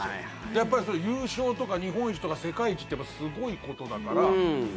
やっぱりそれは優勝とか日本一とか世界一ってすごいことだから。